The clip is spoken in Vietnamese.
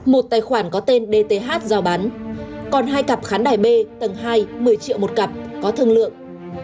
một tài khoản có tên dth giao bán còn hai cặp khán đài b tầng hai một mươi triệu một cặp có thương lượng